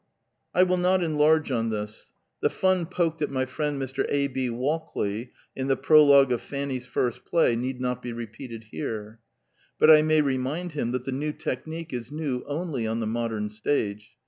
I will not enlarge on this : the fun poked at my friend Mr. A. B. Walkley in the prologue of Fanny's First Play need not be re peated here. But I may remind him that the new technique is new only on the modern stage.